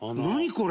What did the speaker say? これ。